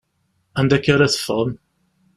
Anda akka ara teffɣem?